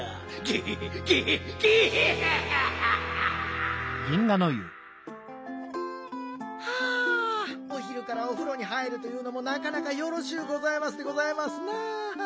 ゲヘヘゲヘゲヘヘヘヘ！はあおひるからおふろに入るというのもなかなかよろしゅうございますでございますな。